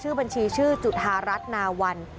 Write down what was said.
บัญชีชื่อจุธารัฐนาวัน